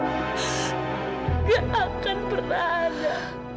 tidak akan pernah ada